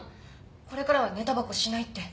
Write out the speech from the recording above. これからは寝タバコしないって。